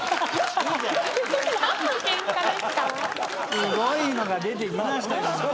すごいのが出てきましたねまた。